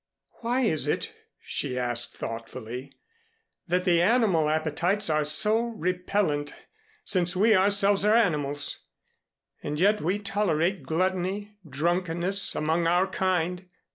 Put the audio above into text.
"Why is it?" she asked thoughtfully, "that the animal appetites are so repellent, since we ourselves are animals? And yet we tolerate gluttony drunkenness among our kind?